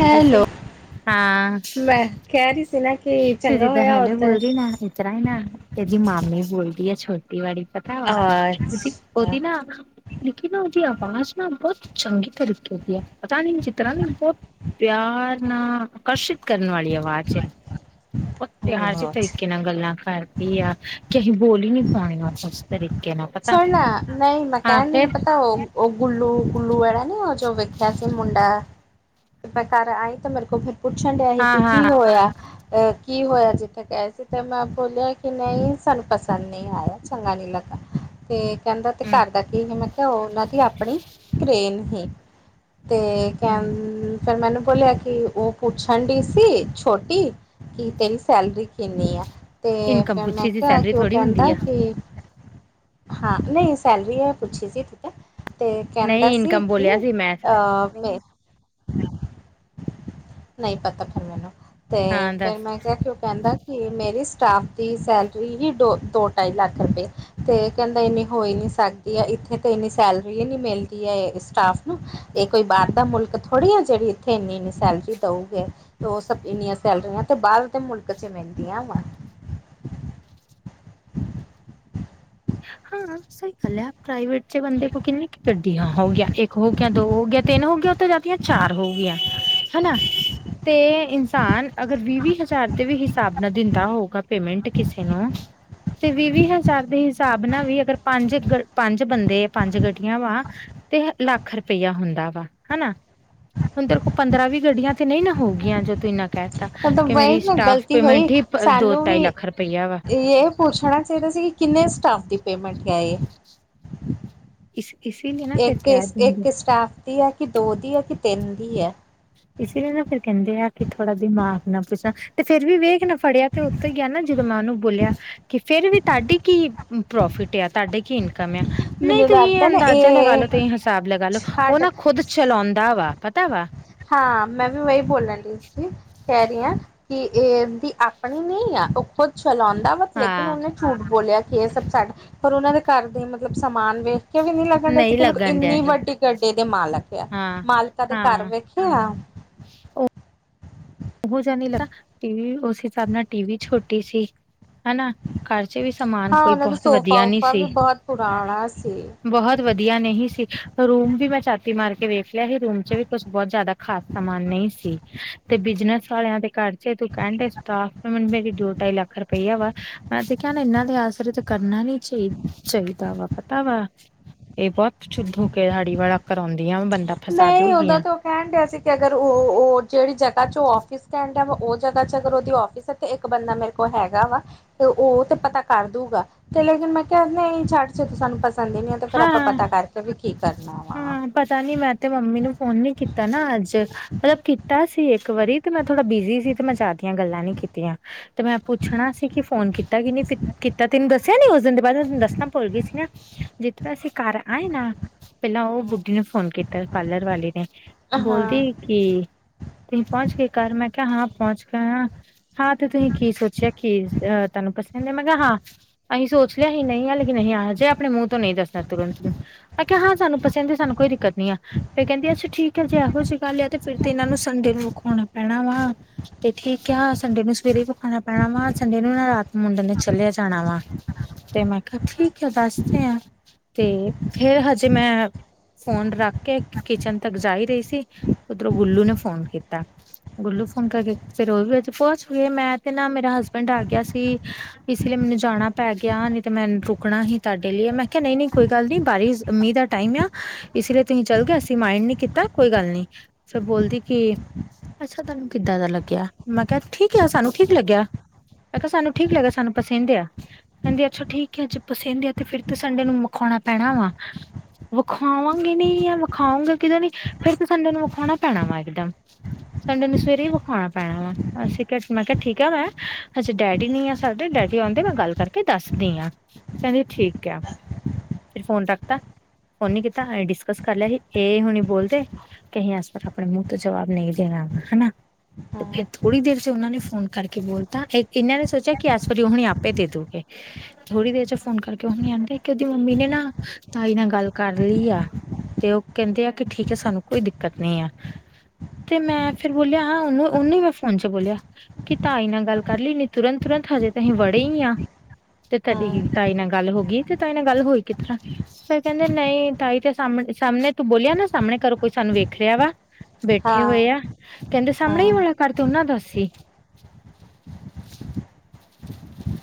Manjeet Singh, hello ਹਾਂ। ਮੈਂ ਕਹਿ ਰਹੀ ਸੀ ਨਾ ਕਿ ਚੰਗਾ ਹੋਇਆ ਉਦਨ ਤਰ੍ਹਾਂ ਹੀ ਨਾ, ਇਹਦੀ ਮਾਮੀ ਬੋਲਦੀ ਐ ਛੋਟੀ ਕਈ ਵਾਰੀ ਪਤਾਵੇ ਆਪ, ਜੀ ਉਦੀ ਅੱਛਾ ਨਾ ਲੇਕਿਨ ਉਹਦੀ ਆਵਾਜ਼ ਨਾ ਬਹੁਤ ਚੰਗੇ ਤਰੀਕੇ ਦੀ ਆ ਪਤਾ ਨਹੀਂ ਜਿਸ ਤਰ੍ਹਾਂ ਨਹੀਂ ਬਹੁਤ ਪਿਆਰ ਨਾਲ ਆਕਰਸ਼ਿਤ ਕਰਨ ਵਾਲੀ ਆਵਾਜ਼ ਏ। ਬਹੁ ਪਿਆਰ ਜਿਹੇ ਤਰੀਕੇ ਨਾਲ ਗੱਲਾਂ ਕਰਦੀ ਆ ਕਿ ਅਸੀਂ ਬੋਲੀ ਨੀ ਪੂਰੇ ਨੋ ਸੈਸ ਤਰੀਕੇ ਨਾਲ। ਪਤਾ ਸੁਣ ਨਾ ਨਹੀਂ ਮੈਂ ਹਾਂ ਕਹਿਣ ਫਿਰ ਪਤਾ ਏ ਉਹ ਗੁੱਲੂ- ਗੁੱਲੂ ਵਾਗੇਰਾ। ਨੀ ਅੱਜ ਓ ਵੇਖਿਆ ਸੀ ਮੁੰਡਾ, ਮੈਂ ਘਰ ਆਈ ਤਾਂ ਮੇਰੇ ਕੋਲ ਫਿਰ ਪੁੱਛਣ ਡਿਆ ਸੀ ਹਾਂ ਕਿ ਹਾਂ ਕੀ ਹੋਇਆ। ਅ ਕੀ ਹੋਇਆ ਜਿੱਥੇ ਗਹੇ ਸੀ ਤੇ ਮੈਂ ਬੋਲਿਆ ਕਿ ਨਹੀਂ ਸਾਨੂੰ ਪਸੰਦ ਨਹੀਂ ਆਇਆ ਚੰਗਾ ਨਹੀਂ ਲੱਗਾ। ਤੇ ਕਹਿੰਦਾ ਤੇ ਹਮ ਘਰ ਦਾ ਕੀ ਸੀ ਮੈਂ ਕਿਹਾ ਉਹਨਾਂ ਦੀ ਆਪਣੀ ਕਰੇਨ ਸੀ। ਤੇ ਕਹ ਹਮ ਫਿਰ ਮੈਨੂੰ ਬੋਲਿਆ ਕਿ ਉਹ ਪੁੱਛਣ ਡੀ ਸੀ ਛੋਟੀ ਕਿ ਤੇਰੀ ਸੈਲਰੀ ਕਿੰਨੀ ਆ, ਤੇ ਇਨਕਮ ਫਿਰ ਮੈਂ ਪੁੱਛੀ ਸੀ ਕਿਹਾ ਸੈਲਰੀ ਕਿ ਉਹ ਥੋੜ੍ਹੀ ਹੁੰਦੀ ਕਹਿੰਦਾ ਆ ਕਿ ਹਾਂ ਨਹੀਂ ਸੈਲਰੀ ਹੈ ਪੁੱਛੀ ਸੀ ਠੀਕ ਹੈ। ਤੇ ਕੈਂਦਾ ਨਹੀਂ ਸੀ ਇਨਕਮ ਕਿ ਬੋਲਿਆ ਸੀ ਮੈਂ ਅ ਮੇ ਨਈ ਪਤਾ ਫੇਰ ਮੈਨੂੰ ਤੇ ਹਾਂ ਫੇਰ ਦੱਸ ਮੈਂ ਕਿਆ ਕਿ ਓ ਕੈਂਦਾ ਕਿ ਮੇਰੇ ਸਟਾਫ ਦੀ ਸੈਲਰੀ ਵੀ ਡੋ, ਦੋ-ਢਾਈ ਲੱਖ ਰਪਏ ਤੇ ਕੈਂਦਾ ਏਨੀ ਹੋ ਈ ਨੀ ਸਕਦੀ ਐ, ਇੱਥੇ ਤੇ ਏਨੀ ਸੈਲਰੀ ਈ ਨੀ ਮਿਲਦੀ ਐ ਸਟਾਫ ਨੂੰ। ਏ ਕੋਈ ਬਾਰ ਦਾ ਮੁਲਕ ਥੋੜੀ ਐ ਜੜੀ ਇੱਥੇ ਏਨੀ-ਏਨੀ ਸੈਲਰੀ ਦਊਗੇ। ਓ ਸਭ ਏਨੀਆਂ ਸੈਲਰੀਆਂ ਤੇ ਬਾਰ ਦੇ ਮੁਲਕ 'ਚ ਮਿਲਦੀਆਂ ਵਾ। ਹਾਂ। ਸਈ ਗੱਲ ਐ ਪ੍ਰਾਈਵੇਟ 'ਚ ਬੰਦੇ ਕੋ ਕਿੰਨੀ ਕੁ ਗੱਡੀਆਂ ਹੋ ਗਿਆ ਇੱਕ ਹੋ ਗਿਆ, ਦੋ ਹੋ ਗਿਆ, ਤਿੰਨ ਹੋ ਗਿਆ ਉੱਥੇ ਜਾ ਕੇ ਚਾਰ ਹੋ ਗਿਆ, ਹਨਾ। ਤੇ ਇਨਸਾਨ ਅਗਰ ਵੀ-ਵੀ ਹਜਾਰ ਦੇ ਵੀ ਹਿਸਾਬ ਨਾਲ ਦਿੰਦਾ ਹੋਗਾ ਪੇਮੈਂਟ ਕਿਸੇ ਨੂੰ ਤੇ ਵੀ-ਵੀ ਹਜਾਰ ਦੇ ਤਾਬ ਨਾਲ ਵੀ ਅਗਰ ਪੰਜ ਕ, ਪੰਜ ਬੰਦੇ ਪੰਜ ਗੱਡੀਆਂ ਵਾ ਤੇਹ ਲੱਖ ਰਪਈਆ ਹੁੰਦਾ ਵਾ, ਹਨਾ। ਹੁਨ ਤੇ ਰੁ ਕੋ ਪੰਦਰਾਂ ਵੀ ਗੱਡੀਆਂ 'ਚ ਨਈ ਨਾ ਹੋ ਗਿਆਂ ਜੋ ਤੂੰ ਏਨਾ ਕੈ ਤਾ ਮਤਲਬ ਕਿ ਵਹੀ ਮੇਰੀ ਨਾ ਸਟਾਫ ਗ਼ਲਤੀ ਹੋਈ ਪੇਮੈਂਟ ਹੀ ਅ ਦੋ-ਢਾਈ ਲੱਖ ਰਪਈਆ ਵਾ। ਪੂਛਣਾ ਚਾਹੀਦਾ ਸੀ ਕਿ ਕਿੰਨੇ ਸਟਾਫ ਦੀ ਪੇਮੈਂਟ ਹੈ ਐ। ਇਸ-ਇਸ ਏੱਕ ਏ ਏੱਕ ਸਟਾਫ ਦੀ ਐ ਕਿ ਦੋ ਦੀ ਐ ਕਿ ਤਿੰਨ ਦੀ ਐ। ਇਸੀ ਲੀਏ ਨਾ ਫਿਰ ਕੈਂਦੇ ਆ ਕਿ ਥੋੜਾ [unintelligible] ਨਾ ਪੁੱਛਾ ਤੇ ਫੇਰ ਵੀ ਵੇਖ ਨਾ ਫੜਿਐ ਤੇ ਓਥੋਂ ਈ ਗਿਆ ਨਾ ਜੋ ਦਮਾਗ ਨੂੰ ਬੋਲੇਐ। ਕਿ ਫੇਰ ਵੀ ਤਆਡੀ ਕੀ ਪ੍ਰੋਫਿਟ ਏਯਾ। ਤੁਆਡਾ ਕੀ ਇਨਕਮ ਐ। ਨਈ ਮੈਨੂੰ ਤੁਹੀਯੋ ਲੱਗਦਾ ਨਾ ਅੰਦਾਜ਼ਾ ਲਗਾ ਇਹ ਲੋ, ਤੁਹੀ ਹਿਸਾਬ ਲਗਾ ਲੋ। ਓ ਹਟ ਨਾ ਖੁਦ ਚਲੋ ਆਂਦਾ ਵਾ, ਪਤਾ ਵਾ। ਹਾਂ, ਮੈਂ ਵੀ ਵਈ ਬੋਲਣ ਡਈ ਸੀ। ਕੈ ਰੀ ਆਂ ਕਿ ਏ ਏਦੀ ਆਪਣੀ ਨੀ ਆ ਓ ਖੁਦ ਚਲਾਂਦਾ ਵਾ ਲੇਕਿਨ ਹਾਂ ਓਨੇ ਝੂਠ ਬੋਲਿਆ ਕਿ ਏ ਸਭ ਸਾਡ ਪਰ ਓਨਾਂ ਨੇ ਘਰ ਦੇ ਮਤਲਬ ਸਮਾਨ ਵੇ ਕਿਓਂਕਿ ਮੇਨੰ ਲੱਗਣ ਡਿਆ ਸੀ ਨਹੀਂ ਕਿ ਲੋਕ ਲੱਗਣ ਡਿਆ ਏਨੀ ਇਹ ਵੱਡੀ ਗੱਡੀ ਦੇ ਮਾਲਕ ਏਐ। ਹਾਂ ਮਾਲਕਾਂ ਦੇ ਘਰ ਹਾਂ ਵਿੱਚ ਪੋ ਆ ਬੋ ਜਾ ਨੀ ਲਗਾ। ਟੀਵੀ ਓਸ ਹਿਸਾਬ ਨਾਲ ਟੀਵੀ ਛੋਟੀ ਸੀ। ਹੈਨਾ ਘਰ 'ਚ ਵੀ ਸਮਾਨ ਕੋਈ ਉਹਨਾਂ ਦਾ ਬੋਹੋਤ ਸੋਫਾ ਵਧੀਆ ਨੀ ਉਫਾ ਵੀ ਸੀ। ਬਹੁਤ ਪੁਰਾਣਾ ਸੀ ਬੋਹੋ ਤ ਵਧੀਆ ਨਹੀਂ ਸੀ। ਅ ਰੂਮ ਵੀ ਮੈਂ ਝਾਤੀ ਮਾਰ ਕੇ ਵੇਖ ਲਿਆ ਹੀ ਰੂਮ 'ਚ ਵੀ ਕੁਛ ਬੋਹੋਤ ਜਾਦਾ ਖਾਸ ਸਮਾਨ ਨਈ ਸੀ। ਤੇ ਬਿਜਨਸ ਵਾਲਿਆਂ ਤੇ ਘਰ 'ਚ ਏ ਤੇ ਕਾਣੀ ਦੇ ਸਟਾਫ [unintelligible] ਮੇਰੀ ਦੋ-ਢਾਈ ਲੱਖ ਰਪਏਆ ਵਾ ਮੈਂ ਤੇ ਕੇਆ ਨਾ ਇਨਾਂ ਦੇ ਆਸਰੇ ਤੇ ਕਰਨਾ ਹੀ ਨੀ ਚਾਹੀ ਚਾਈਦਾ ਵਾ, ਪਤਾ ਵਾ। [unintelligible] ਕਰਾਂਦੀ ਆਂ। ਨਈ ਓਦਾ ਤਾਂ ਕੈਨ ਡਿਆ ਸੀ ਕਿ ਅਗਰ ਓ ਓ ਜੜੀ ਜਗਾ 'ਚ ਓ ਆਫਿਸ ਕੈਨ ਡਿਆ ਵਾ ਓ ਜਗਾ 'ਚ ਅਗਰ ਓਦੀ ਆਫਿਸ ਐ ਤੇ ਏੱਕ ਬੰਦਾ ਮੇਰੇ ਕੋਲ ਹੈਗਾ ਵਾ। ਤੇ ਓ ਤੇ ਪਤਾ ਕਰ ਦੂਗਾ ਤੇ ਲੇਕਿਨ ਮੈਂ ਕਿਆ ਨਈ ਛੱਡ ਚੱਕ ਸਾਨੂੰ ਪਸੰਦ ਈ ਨੀ ਤੇ ਫੇਰ ਆਪਾਂ ਹਾਂ ਪਤਾ ਕਰਕੇ ਵੀ ਕੀ ਕਰਨਾ ਵਾ। ਹਾਂ ਪਤਾ ਨੀ ਮੈਂ ਤੇ ਮੰਮੀ ਨੂੰ ਫੋਨ ਨੀ ਕੀਤਾ ਨਾ ਅੱਜ ਤੇ ਅ ਕੀਤਾ ਸੀ ਏੱਕ ਵਾਰੀ। ਤੇ ਮੈਂ ਥੋੜਾ ਬਿਜ਼ੀ ਸੀ ਤੇ ਮੈਂ ਜ਼ਾਆਦੀਆਂ ਗੱਲਾਂ ਨੀ ਕੀਤੀਆਂ ਤੇ ਮੈਂ ਪੁੱਛਣਾ ਸੀ ਕਿ ਫੋਨ ਕੀਤਾ ਕਿ ਨਈ ਕੀ ਕੀਤਾ ਤੈਨੂੰ ਦੱਸਿਆ ਨੀ ਉਸ ਦਿਨ ਦੇ ਬਾਦ ਮੈਂ ਤਨੂੰ ਦੱਸਣਾ ਭੁੱਲ ਗਈ ਸੀ ਨਾ। ਜਿਤਰ੍ਹਾਂ ਅਸੀ ਘਰ ਆਏ ਨਾ ਪੈਲਾਂ ਓ ਹਾਂ ਬੁੱਢੀ ਨੂੰ ਫੋਨ ਕੀਤਾ ਐ ਪਾਰਲਰ ਵਾਲੇ ਨੇ। ਹਾਂ ਬੋਲਦੀ ਹਾਂ ਕਿ ਤੁਸੀ ਪਹੁੰਚ ਗਏ ਘਰ ਮੈਂ ਕਿਹਾ ਹਾਂ ਪਹੁੰਚ ਗਏ ਹਾਂ ਤੇ ਤੁਸੀਂ ਕੀ ਸੋਚਿਆ ਕੀ ਤੁਹਾਨੂੰ ਪਸੰਦ ਹੈ ਮੈਂ ਕਿਹਾ ਹਾਂ ਅਸੀਂ ਸੋਚ ਲਿਆ ਅਸੀਂ ਨਹੀਂ ਆਾਂ ਲੇਕਿਨ ਅਸੀਂ ਅ ਜਿਹੇ ਆਪਣੇ ਮੂੰਹ ਤੋਂ ਨਹੀਂ ਦੱਸਣਾ ਤੁਰੰਤ [unintelligible] ਮੈਂ ਕਿਹਾ ਹਾਂ ਸਾਨੂੰ ਪਸੰਦ ਹੈ ਸਾਨੂੰ ਕੋਈ ਦਿੱਕਤ ਨਹੀ ਆ ਫ ਕਹਿੰਦੀ ਅੱਛ ਠੀਕ ਹੈ ਜੇ ਇਹੋ ਜਿਹੀ ਗੱਲ ਆ ਤੇ ਫੇਿਰ ਤੇ ਇਹਨਾਂ ਨੂੰ ਸੰਦੇ ਰੁਕਾਉਣਾ ਪੈਣਾ ਵਾ [unintelligible] ਤੇ ਠੀਕ ਆ ਸੰਡੇ ਨੂੰ ਸਵੇਰੇ ਹੀ ਵਿਖਾਣਾ ਪੈਣਾ ਵਾ ਸੰਡੇ ਨੂੰ ਨਾ ਰਾਤ ਮੁੰਡੇ ਨੇ ਚੱਲਿਆ ਜਾਣਾ ਵਾ ਤੇ ਮੈਂ ਕਿਹਾ ਠੀਕ ਹੈ ਦੱਸਦੇ ਆ ਤੇ ਫੇਰ ਹਜੇ ਮੈਂ ਫੋਨ ਰੱਖ ਕੇ ਕਿਚਨ ਤੱਕ ਜਾ ਹੀ ਰਹੀ ਸੀ ਉੱਧਰੋਂ ਬੁੱਲੂ ਨੇ ਫੋਨ ਕੀਤਾ ਗੁੱਲੂ ਫ਼ੋਨ ਕ [unintelligible] ਫੇਿਰ ਉਹ ਵੀ ਵਿੱਚ ਪਹੁੰਚ ਗਏ ਮੈਂ ਤੇ ਨਾ ਮੇਰਾ ਹਸਬੈਂਡ ਆ ਗਿਆ ਸੀ ਇਸ ਲਈ ਮੈਨੂੰ ਜਾਣਾ ਪੈ ਗਿਆ ਨਹੀ ਤੇ ਮੈ ਰੁਕਣਾ ਹੀ ਤੁਹਾਡੇ ਲਈ ਮੈਂ ਕਿਆ ਨਹੀਂ-ਨਹੀਂ ਕੋਈ ਗੱਲ ਨੀ, ਬਾਰੀਸ਼, ਮੀਂਹ ਦਾ ਟਾਈਮ ਯਾਂ। ਇਸ ਲਈ ਤੁਸੀਂ ਚੱਲ ਗਏ ਅਸੀਂ ਮਾਇੰਡ ਨੀ ਕੀਤਾ ਕੋਈ ਗੱਲ ਨੀ ਫਿਰ ਬੋਲਦੀ ਕਿ ਅੱਛਾ ਤੁਹਾਨੂੰ ਕਿੱਦਾਂ ਦਾ ਲੱਗਿਆ, ਮੈਂ ਕਿਹਾ ਠੀਕ ਯਾ, ਸਾਨੂੰ ਠੀਕ ਲੱਗਿਆ। ਮ ਕਿਹਾ ਸਾਨੂੰ ਠੀਕ ਲੱਗਾ ਸਾਨੂੰ ਪਸਿੰਦ ਐ ਕਹਿੰਦੇ ਅੱਛਾ ਠੀਕ ਐ ਜੇ ਪਸਿੰਦ ਆ ਤੇ ਫ ਤੇੂ ਸੰਡੇ ਨੂੰ ਮਖਾਉਣਾ ਪੈਣਾ ਵਾ। ਵਿਖਾਵਾਂਗੇ ਨੀ, ਆ ਵਿਖਾਉਂਗੇ ਕਿਦਾ ਨੀ, ਫਿਰ ਵੀ ਸੰਡੇ ਨੂੰ ਵਿਖਾਉਣਾ ਪੈਣਾ ਵਾ ਇਕਦਮ। ਸੰਡੇ ਨੂੰ ਸਵੇਰੇ ਹੀ ਵਿਖਾਉਣਾ ਪੈਣਾ ਵਾ, ਅਸੀਂ ਕਿਹਾ, ਅਸੀਂ ਕਿਹਾ ਠੀਕ ਆ ਵੇ, ਅਸੀਂ ਡੈਡੀ ਨੀ ਵਾ। ਸਾਡੇ ਡੈਡੀ ਆਉਂਦੇ, ਮੈਂ ਗੱਲ ਕਰਕੇ ਦੱਸਦੀ ਆਂ, ਕਹਿੰਦੀ ਠੀਕ ਆ। ਫਿਰ ਫੋਨ ਰੱਖਤਾ, ਫੋਨ ਨੀ ਕੀਤਾ ਡਿਸਕਸ ਕਰ ਲਿਆ ਸੀ ਏ ਹੁਣੀ ਬੋਲਦੇ ਕਹੀ ਇਸ ਪਰ ਆਪਣੇ ਮੂੰਹ ਤੋਂ ਜਵਾਬ ਨਹੀਂ ਦੇਣਾ ਹਨਾ, ਤੇ ਫਿਰ ਥੋੜ੍ਹੀ ਦੇਰ'ਚ ਉਹਨਾਂ ਨੇ ਫੋਨ ਕਰਕੇ ਬੋਲਤਾ, ਇਹਨਾਂ ਨੇ ਸੋਚਿਆ ਕਿ ਐਸ ਵਾਰੀ ਉਹਣੀ ਆਪੇ ਦੇ ਦੂਗੇ। ਥੋੜ੍ਹੀ ਦੇਰ ਚ ਫੋਨ ਕਰਕੇ ਉਣੇ ਨ ਆਣਦੇ, ਕਿ ਉਹਦੀ ਮੰਮੀ ਨੇ ਨਾ, ਤਾਈ ਨਾਲ ਗੱਲ ਕਰ ਲਈ ਆ। ਤੇ ਉਹ ਕਹਿੰਦੇ ਆ, ਕਿ ਠੀਕ ਹੈ ਸਾਨੂੰ ਕੋਈ ਦਿੱਕਤ ਨੀ ਆ। ਤੇ ਮੈਂ ਫੇਰ ਬੋਲਿਆ, ਉਹਨੂੰ, ਉਹਨੂੰ ਵੀ ਫੋਨ ਚ ਬੋਲਿਆ। ਕਿ ਤਾਈ ਨਾਲ ਗੱਲ ਕਰਲੀ, ਤੁਰੰਤ-ਤੁਰੰਤ ਹਜੇ ਤਾਂ ਅਸੀਂ ਵੜੇ ਹੀ ਆਂ, ਤੇ ਤੁਹਾਡੀੇ ਹਾਂ ਹੀ ਤਾਈ ਨਾਲ ਗੱਲ ਹੋ ਗਈ ਤੇ, ਤਾਂਈ ਨਾਲ ਗੱਲ ਹੋਈ ਕਿਸ ਤਰ੍ਹਾਂ। ਫੇ ਕਹਿੰਦੇ ਨਹੀਂ ਤਾਈ ਤੇ ਸਾਹਮਣੇ ਸਾਹਮਣੇ ਤੂੰ ਬੋਲਿਆ ਨੀ ਸਾਹਮਣੇ ਕਰੋਂ ਕੋਈ ਸਾਨੂੰ ਵੇਖ ਰਿਹਾ ਵਾ। ਬੈਠੇ ਹਾਂ ਹੋਏ ਆ, ਕਹਿੰਦੇ ਸਾਹਮਣੇ ਹਾਂ ਵਾਲਾ ਈ ਘਰ ਉਹਨਾ ਦਾ ਸੀ।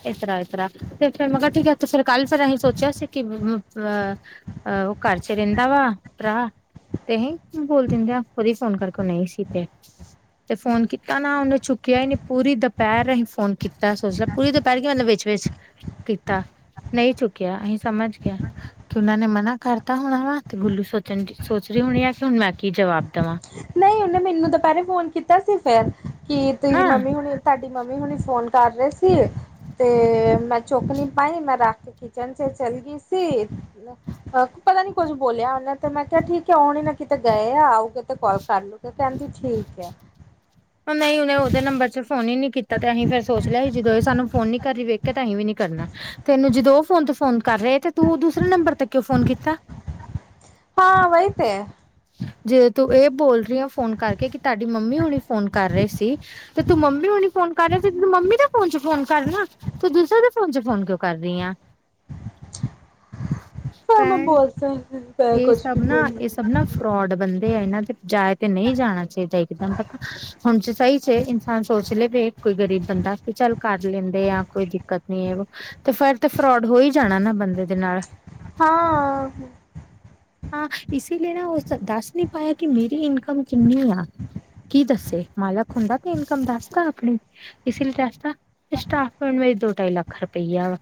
ਇਸਤਰਾ ਇਤਰਾ, ਤੇ ਫਿਰ ਮੈ ਕਿਹਾ ਠੀਕ ਐ ਤੇ ਸਰਕਾਰੀ ਚ ਅਹੀ ਫੇਰ ਸੋਚਿਆ ਸੀ ਅ ਅ ਉਹ ਘਰ ਚ ਰੇਦਾ ਵਾ ਪ੍ਰਾ ਤੇ ਬੋਲ ਦਿੰਦੇ ਆ ੳਰੇ ਫੋਨ ਕਰਕੇ ਨਹੀਂ ਸੀ ਤੇ। ਤੇ ਫੋਨ ਕੀਤਾ ਨਾ, ਉਹਨੇ ਚੁੱਕਿਆ ਹੀ ਨਹੀਂ, ਪੂਰੀ ਦੁਪਹਿਰ ਅਹੀ ਫੋਨ ਕੀਤਾ ਸੋਚ ਲ ਪੂਰੀ ਦੁਪਹਿਰ ਕੇ ਉਹਨੇ ਵਿੱਚ- ਵਿਚ ਕੀਤਾ, ਨਹੀਂ ਚੁੱਕਿਆ ਅਹੀ ਸਮਝ ਗਿਆ। ਕਿ ਉਹਨਾਂ ਨੇ ਮਨਾ ਕਰਤਾ ਹੋਣਾ ਵਾ, ਤੇ ਗੁੱਲੂ ਸੋਚਣ ਸੋਚ ਰਹੀ ਹੋਣੀ ਆ। ਕਿ ਹੁਣ ਮੈਂ ਕੀ ਜਵਾਬ ਦਵਾਂ। ਨਈ ਉਹਨੇ ਮੈਨੂੰ ਤਾਂ ਦੁਪਹਿਰੇ ਫੋਨ ਕੀਤਾ ਸੀ ਫੇਰ ਕਿ ਤੁਸੀਂ ਹਾਂ ਮੰਮੀ ਹੁਣੀ ਤੁਹਾਡੀ ਮੰਮੀ ਹੁਣੀ ਫੋਨ ਕਰ ਰਹੇ ਸੀ ਏ, ਤੇ ਮੈਂ ਚੁੱਕ ਨੀ ਪਾਈ ਮੈਂ ਰੱਖ ਕ- ਕਿਚਨ ਚ ਚੱਲ ਗਈ ਸੀ। ਪਤਾ ਨੀ ਕੁੱਝ ਬੋਲਿਆ ਉਹਨੇ ਤੇ ਮੈਂ ਕਿਹਾ ਠੀਕ ਹੈ ਹੁਣ ਹੀ ਨਾ ਕਿਤੇ ਗਏ ਆ ਆਊ ਕੇ ਤੇ ਗਲ ਕਰ ਲ- ਤੇ ਕਹਿੰਦੀ ਠੀਕ ਹੈ। ਨਹੀਂ ਉਹਨੇ ਉਹਦੇ ਨੰਬਰ ਚ ਫੋਨ ਹੀ ਨ ਨਹੀਂ ਕੀਤਾ ਤੇ ਅਸੀਂ ਫੇਿਰ ਸੋਚ ਲਿਆ ਸੀ ਜਦੋਂ ਇਹ ਸਾਨੂੰ ਫੋਨ ਨੀ ਕਰਹੀ ਵੇਖਿਆ ਤਾਂ ਅਸੀਂ ਵੀ ਨੀ ਕਰਨਾ। ਤੈਨੂੰ ਜਦੋਂ ਉਹ ਫੋਨ ਤੇ ਫੋਨ ਕਰ ਰਹੇ ਤੇ ਤੂੰ ਦੂਸਰੇ ਨੰਬਰ ਤੇ ਕਿਉ ਫੋਨ ਕੀਤਾ? ਹਾਂ, ਵਈ ਤੇ। ਜੇ ਤੂੰ ਇਹ ਬੋਲ ਰਹੀ ਆਂ ਫੋਨ ਕਰਕੇ, ਕਿ ਤੁਹਾਡੀ ਮੰਮੀ ਹੁਣੀ ਫੋਨ ਕਰ ਰਹੇ ਸੀ। ਤੇ ਤੂੰ ਮੰਮੀ ਵਾਲੀ ਫੋਨ ਕਰ ਰੇਹਾ ਸੀ ਤੇ ਤੂੰ ਮੰਮੀ ਦਾ ਫੋਨ ਚ ਫੋਨ ਕਰਨਾ। ਤੂੰ ਦੂਸਰੇ ਦੇ ਫੋਨ ਚ ਫੋਨ ਕਿਉਂ ਕਰ ਰਹੀ ਆ। ਪਰ ਮੈਂ ਭੈਣ ਬੋਲਤਾ, ਮੈਂ ਇਹ ਕੁੱਛ ਸਭ ਵੀ ਨਾ ਬੋਲੀ। ਇਹ ਸਭ ਨਾ ਫਰੋਡ ਬੰਦੇ ਆ ਇਹਨਾਂ ਦੇ ਬਜਾਏ ਤੇ ਨਹੀਂ ਜਾਣਾ ਚਾਹੀਦਾ ਇਕਦਮ- ਹੁਣ 'ਚ ਸਹੀ 'ਚ ਇਨਸਾਨ ਸੋਚ ਲੇ ਬਈ ਕੋਈ ਗਰੀਬ ਬੰਦਾ ਵੀ ਚੱਲ ਕਰ ਲੈਂਦੇ ਆ ਕੋਈ ਦਿੱਕਤ ਨੀ ਏ ਤੇ ਫਰ ਤੇ ਫਰੋਡ ਹੋ ਹੀ ਜਾਣਾ ਨਾ ਬੰਦੇ ਦੇ ਨਾਲ। ਹਾਂ ਹਾਂ ਇਸ ਲਈ ਨਾ ਉਹ ਦੱਸ ਨਹੀਂ ਪਾਇਆ ਕਿ ਮੇਰੀ ਇਨਕਮ ਕਿੰਨੀ ਆ। ਕੀ ਦੱਸੇ, ਮਾਲਕ ਹੁੰਦਾ ਤੇ ਇਨਕਮ ਦੱਸਦਾ ਆਪਣੀ। ਇਸ ਲਈ ਦਸ ਤਾਂ, ਸਟਾਫ ਵਿੱਚ ਦੋ ਢਾਈ ਲੱਖ ਰੁਪਈਆ ਵਾ।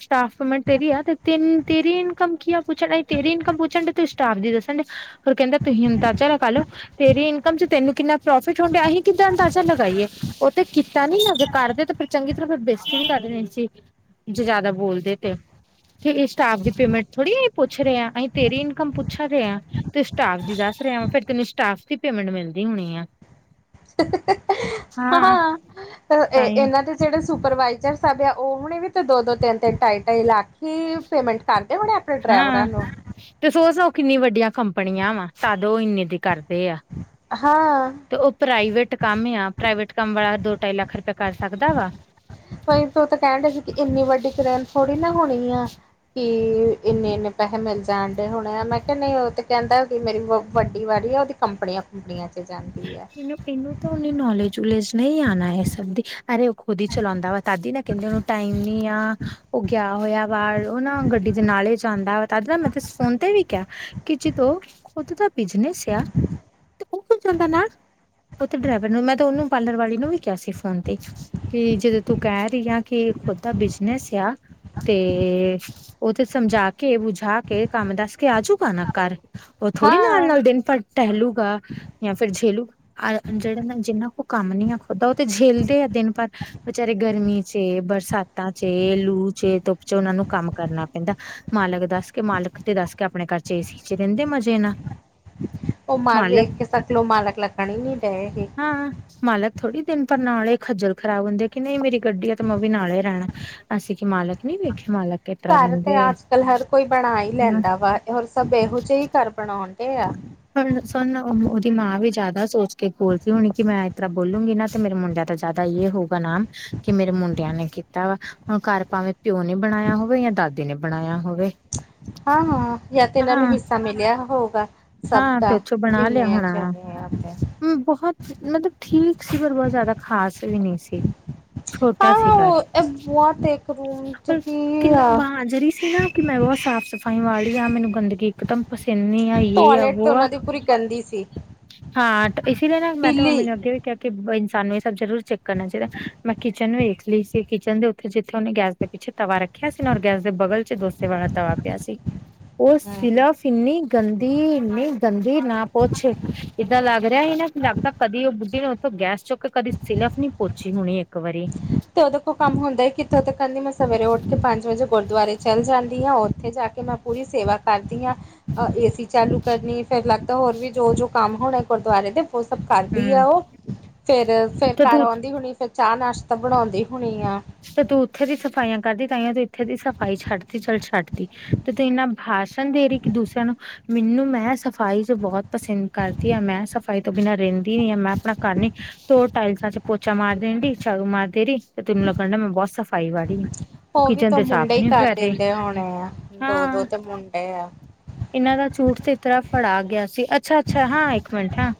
ਸਟਾਫ ਮੈਂ ਤੇਰੀ ਆ ਤੇ ਤਿੰਨ ਤੇਰੀ ਇਨਕਮ ਕੀ ਆ ਪੁੱਛਣਾ ਈ- ਤੇਰੀ ਇਨਕਮ ਪੁੱਛਣ ਡਏ ਤੇ ਸਟਾਫ ਦੀ ਦੱਸਣ ਡਏ ਹੋਰ ਕਹਿੰਦਾ ਤੁਸੀਂ ਅੰਦਾਜ਼ਾ ਲਗਾ ਲੋ। ਤੇਰੀ ਇਨਕਮ 'ਚ ਤੈਨੂੰ ਕਿੰਨਾ ਪ੍ਰੋਫਿਟ ਹੋਣ ਡਿਆ ਅਸੀਂ ਕਿੱਦਾਂ ਅੰਦਾਜ਼ਾ ਲਗਾਈਏ। ਉਹ ਤੇ ਕੀਤਾ ਨੀ ਨਾ ਜੇ ਕਰਦੇ ਤੇ ਫਿਰ ਚੰਗੀ ਤਰ੍ਹਾਂ ਫਿਰ ਬੇਸਤੀ ਵੀ ਕਰ ਦੇਣੀ ਸੀ। ਜੇ ਜਿਆਦਾ ਬੋਲਦੇ ਤੇ, ਇਹ ਸਟਾਫ ਦੀ ਪੇਮੈਂਟ ਥੋੜੀ ਆ ਇਹ ਪੁ ਪੁੱਛ ਰਹੇ ਆ ਅਸੀ ਤੇਰੀ ਇਨਕਮ ਪੁੱਛਾ ਦੇ ਆ। ਤੂੰ ਸਟਾਫ ਦੀ ਦੱਸ ਰਿਹਾ ਵਾ ਫੇਰ ਤੈਨੂੰ ਸਟਾਫ ਦੀ ਪੇਮੈਂਟ ਮਿਲਦੀ ਹੋਣੀ ਆ। ਹਾਂ, ਇਹ ਤਾਂਹੀਓ ਇਹਨਾਂ ਦੇ ਜਿਹੜੇ ਸੁਪਰਵਾਈਜਰ ਸਾਬ ਆ ਉਹ ਹਣੇ ਵੀ ਤੇ ਦੋ-ਦੋ, ਤਿੰਨ-ਤਿੰਨ, ਟਾਈ-ਟਾਈ ਲਖੀ ਪੇਮੈਂਟ ਕਰਦੇ ਹੋਣੇ। ਡਰਾਈਵਰਾਂ ਹੂੰ, ਨੂੰ ਤੇ ਸੋ-ਸੋ ਕਿੰਨੀ ਵੱਡੀਆਂ ਕੰਪਨੀਆਂ ਵਾ ਤਦ ਉਹ ਇੰਨੇ ਦੀ ਕਰਦੇ ਆ। ਹਾਂ ਤੇ ਉਹ ਪ੍ਰਾਈਵੇਟ ਕੰਮ ਆ ਪ੍ਰਾਈਵੇਟ ਕੰਮ ਵਾਲਾ ਦੋ ਢਾਈ ਲੱਖ ਰੁਪਇਆ ਕਰ ਸਕਦਾ ਵਾ। ਤੂੰ ਤਾਂ ਕਹਿਣ ਡਈ ਸੀ ਕਿ ਇੰਨੀ ਵੱਡੀ ਕਰੇਨ ਥੋੜੀ ਨਾ ਹੋਣੀ ਆ। ਕਿ ਇੰਨੇ-ਇੰਨੇ ਪੈਸੇ ਮਿਲ ਜਾਣ ਡਏ ਹੋਣੇ ਆ ਮੈਂ ਕਿਹਾ ਨਹੀਂ ਉਹ ਤੇ ਕਹਿੰਦਾ ਮੇਰੀ [unintelligible] ਵੱਡੀ ਵਾਲੀ ਆ ਉਹਦੀ ਕੰਪਣੀਆਂ-ਕੁੰਪਣੀਆਂ 'ਚ ਜਾਂਦੀ ਆ। ਇਹਨੂੰ ਤਾਂ ਉਹਨੇ ਨੌਲੇਜ-ਨੂੰਲੇਜ ਨਹੀਂ ਆ ਨਾ ਇਹ ਸਭ ਦੀ ਅਰੇ ਉਹ ਖੁਦ ਹੀ ਚਲਾਦਾ ਵਾ। ਦਾਦੀ ਨਾ ਕਹਿੰਦੇ ਉਹਨੂੰ ਟਾਈਮ ਨੀ ਆ। ਉਹ ਗਿਆ ਹੋਇਆ ਬਾਹਰ ਉਹ ਨਾ ਗੱਡੀ ਦੇ ਨਾਲੇ ਜਾਂਦਾ ਤਜ ਨਾ ਮੈਂ ਤੇ ਫੋਨ ਤੇ ਵੀ ਕਿਹਾ ਕਿ ਜਦੋਂ ਖੁਦ ਦਾ ਬਿਜਨਸ ਆ, ਤੇ ਉਹ ਕਿਉਂ ਚੱਲਦਾ ਨਾਲ। ਉਹ ਤੇ ਡਰਾਈਵਰ ਨੂੰ ਮੈਂ ਤੇ ਉਹਨੂੰ ਪਾਰਲਰ ਵਾਲੀ ਨੂੰ ਵੀ ਕਿਹਾ ਸੀ ਫੋਨ ਤੇ। ਕਿ ਜਦੋਂ ਤੂੰ ਕਹਿ ਰਹੀ ਆ ਕਿ ਖੁਦ ਦਾ ਬਿਜਨਸ ਆ- ਤੇ, ਉਹ ਤੇੇ ਸਮਝਾ ਕੇ ਬੁਝਾ ਕੇ ਕੰਮ ਦੱਸ ਕੇ ਆਜੂਗਾ ਨਾ ਘਰ। ਉਹ ਥੋੜ੍ਹੀ ਹਾਂ ਨਾਲ-ਨਾਲ ਦਿਨ ਭਰ ਟਹਿਲੂਗਾ। ਜਾਂ ਫੇਰ ਝੇਲੂ ਅ ਜਿਹੜੇ ਜਿੰਨਾ ਕੋ ਕੰਮ ਨੀ ਆ ਖੁਦਾ ਉਹ ਝੇਲਦੇ ਆ ਦਿਨ ਪਰ। ਬਚਾਰੇ ਗਰਮੀ 'ਚ, ਬਰਸਾਤਾਂ 'ਚ, ਲੂ 'ਚ, ਧੁੱਪ 'ਚ ਉਹਨਾਂ ਨੂੰ ਕੰਮ ਕਰਨਾ ਪੈਂਦਾ। ਮਾਲਕ ਦੱਸ ਕੇ ਮਾਲਕ ਤੇ ਦੱਸ ਕੇ ਆਪਣੇ ਘਰ 'ਚ ਏਸੀ ਚ ਰਹਿੰਦੇ ਮਜ਼ੇ ਨਾ। ਉਹ ਮਾਲਕ ਵੇਖ ਕੇ ਸਕਲੋ ਮਾਲਕ ਲੱਗਣੀ ਹੀ ਨੀ ਡਏ ਗੇ। ਹਾਂ-ਹਾਂ ਮਾਲਕ ਥੋੜ੍ਹੀ ਦਿਨ ਪਰ ਨਾਲੇ ਖੱਜਲ ਖਰਾਬ ਹੁੰਦੇ ਆ ਕਿ ਨਹੀਂ ਮੇਰੀ ਗੱਡੀ ਆ ਤਾਂ ਮੈਂ ਉਹ ਵੀ ਨਾਲੇ ਰਹਿਣਾ। ਅਸੀਂ ਕਿ ਮਾਲਕ ਨਹੀਂ ਵੇਖੇ ਮਾਲਕ। ਕਿਸ ਤਰ੍ਹਾਂ ਘਰ ਤੇ ਰਹਿੰਦੇ ਆ ਅੱਜਕੱਲ ਹਰ ਕੋਈ ਬਣਾ ਹੀ ਹਮ ਲੈਂਦਾ ਵਾ ਹੋਰ ਸਭ ਇਹੋ ਜਿਹੇ ਹੀ ਘਰ ਬਣਾਉਣ ਡਏ ਆ। ਹੁਣ ਸਾਨੂੰ ਉਹਦੀ ਮਾਂ ਵੀ ਜ਼ਿਆਦਾ ਸੋਚ ਕੇ ਬੋਲ ਦੀ ਹੋਣੀ ਕਿ ਮੈਂ ਤਰ੍ਹਾਂ ਬੋਲੂਗੀ ਨਾ ਤੇ ਮੇਰੇ ਮੁੰਡਿਆਂ ਤਾਂ ਜਿਆਦਾ ਇਹ ਹੋਊਗਾ ਨਾਮ। ਕਿ ਮੇਰੇ ਮੁੰਡਿਆਂ ਨੇ ਕੀਤਾ ਵਾ, ਹੁਣ ਘਰ ਭਾਵੇਂ ਪਿਓ ਨੇ ਬਣਾਇਆ ਹੋਵੇ ਜਾਂ ਦਾਦੇ ਨੇ ਬਣਾਇਆ ਹੋਵੇ। ਹਾਂ-ਹਾਂ ਯਾ ਤੇ ਇਹਨਾਂ ਨੂੰ ਹਾਂ ਨੂੰ ਹਿੱਸਾ ਮਿਲਿਆ ਹੋਊਗਾ। ਸਭ ਹਾਂ ਤੇ ਤਾਂ ਉੱਥੋਂ ਬਣਾ ਲਿਆ ਇੰਨੇ ਆ ਹੋਣਾ ਵਾ ਸਿਆਂਣੇ ਆ ਉੱਥੇ। ਬਹੁਤ ਮਤਲਬ ਠੀਕ ਸੀ ਪਰ ਬਹੁਤ ਜ਼ਿਆਦਾ ਖ਼ਾਸ ਵੀ ਨਹੀਂ ਸੀ। ਛੋਟਾ ਹਾਂ ਸੀ ਹਾਂ ਘਰ। ਉਹ ਬਹੁਤ ਇੱਕ ਰੂਮ ਚ ਕੀ ਕਿੰਨਾ ਆ ਬਾਂਜਰੀ ਸੀ ਨਾ। ਕਿ ਮੈਂ ਬਹੁਤ ਸਾਫ਼ ਸਫ਼ਾਈ ਵਾਲੀ ਆ ਮੈਨੂੰ ਗੰਦਗੀ ਇੱਕਦਮ ਪਸੰਨ ਨਹੀਂ ਆਈ ਕੀ [unintelligible] ਟੋਇਲੇਟ ਤੇ ਆ ਉਹਨਾਂ ਦੀ ਪੂਰੀ ਗੰਦੀ ਸੀ ਹਾਂ ਇਸ ਲਈ ਨਾ ਮੈਂ ਤਾਂ ਪੀਲੀ ਮੰਮੀ ਨੇ ਗੇ ਕਹਿ ਕੇ ਇਨਸਾਨ ਨੂੰ ਇਹ ਸਭ ਜ਼ਰੂਰ ਚੈੱਕ ਕਰਨਾ ਚਾਹੀਦਾ ਮੈਂ ਕਿਚਨ ਵੀ ਲੀ ਸੀ ਕਿਚਨ ਦੇ ਉੱਥੇ ਜਿੱਥੇ ਉਹਨੇੈ ਗੈਸ ਦੇ ਪਿੱਛੇ ਤਵਾ ਰੱਖਿਆ ਸੀ ਔਰ ਗੈਸ ਦੇ ਬਗਲ ਚ ਡੋਸੇ ਵਾਲਾ ਤਵਾ ਪਿਆ ਸੀ। ਉਹ ਹੂੰ ਸਲਫ ਇੰਨੀ ਗੰਦੀ ਇੰਨੀ ਗੰਦੀ ਨਾ ਪੁੱਛ ਇਦਾਂ ਲੱਗ ਰਿਹਾ ਹੀ ਨਾ ਲੱਗਦਾ ਕਦੀ ਉਹ ਬੁੱਢੀ ਨੇ ਉੱਥੋਂ ਗੈਸ ਚੁੱਕ ਕੇ ਕਦੀ ਸਿਲਫ ਨੀ ਪੋਚੀ ਹੋਣੀ ਇੱਕ ਵਾਰੀ ਤੇ ਉਹਦੇ ਕੋਲ ਕੰਮ ਹੁੰਦਾ ਕਿੱਥੋਂ ਕਹਿੰਦੀ ਮੈਂ ਸਵੇਰੇ ਉੱਠ ਕੇ ਪੰਜ ਵਜੇ ਗੁਰਦੁਆਰੇ ਚੱਲ ਜਾਂਦੀ ਹਾਂ ਉੱਥੇ ਜਾ ਕੇ ਮੈਂ ਪੂਰੀ ਸੇਵਾ ਕਰਦੀ ਹਾਂ ਏਸੀ ਚਾਲੂ ਕਰਨੀ ਫਿਰ ਲਗ ਤਾਂ ਹੋਰ ਵੀ ਜੋ ਜੋ ਕੰਮ ਹੋਣੇ ਗੁਰਦੁਆਰੇ ਦੇ ਉਹ ਸਭ ਕਰਦੀ ਹੂੰ ਆ ਉਹ ਫਿਰ ਫਿਰ ਤੇ ਘਰ ਤੂੰ ਆਉਂਦੀ ਹੋਣੀ ਫਿਰ ਚਾਹ ਨਾਸ਼ ਤਾਂ ਬਣਾਉਂਦੇ ਹੋਣੀ ਆ। ਤੇ ਤੂੰ ਉੱਥੇ ਦੀ ਸਫਾਈਆਂ ਕਰਦੀ ਤਾਹੀਓ ਤੂੰ ਇੱਥੇ ਦੀ ਸਫ਼ਾਈ ਛੱਡਤੀ ਚੱਲ ਛੱਡਤੀ। ਤੇ ਤੂੰ ਇਨਾ ਭਾਸ਼ਣ ਦੇ ਰਹੀ ਕਿ ਦੂਸਰਿਆਂ ਨੂੰ। ਮੈਨੂੰ ਮੈਂ ਸਫਾਈ 'ਚ ਬਹੁਤ ਪਸੰਦ ਕਰਦੀ ਹਾਂ ਮੈਂ ਸਫ਼ਾਈ ਤੋਂ ਬਿਨਾਂ ਰਹਿੰਦੀ ਨਹੀਂ ਹਾਂ ਮੈਂ ਆਪਣਾ ਘਰ ਨਹੀਂ। ਤੋ ਟਾਇਲਸਾਂ ਚ ਪੋਚਾ ਮਾਰ ਦੇਣ ਸੈਲਫ ਮਾਰ ਦੇ ਰਹੀ ਤੇ ਤੈਨੂੰ ਲੱਗਣ ਮੈਂ ਬਹੁਤ ਸਫ਼ਾਈ ਵਾਲੀ। ਤੂੰ ਉਹ ਵੀ ਕਿਚਨ ਤੋ ਤੇ ਮੁੰਡੇ ਸਾਫ਼ ਹੀ ਨੀ ਕਰ ਰਹੀ ਦਿੰਦੇ ਹੋਣੇ ਆ ਦੋ ਦੋ ਹਾਂ ਤੇ ਮੁੰਡੇ ਆ। ਇਹਨਾਂ ਦਾ ਝੂਠ ਤੇ ਤਰ੍ਹਾਂ ਫੜਾ ਗਿਆ ਸੀ ਅੱਛਾ ਅੱਛਾ ਹਾਂ ਇੱਕ ਮਿੰਟ ਹਾਂ।